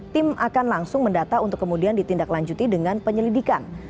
tim akan langsung mendata untuk kemudian ditindaklanjuti dengan penyelidikan